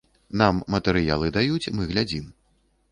Нам матэрыялы даюць, мы глядзім.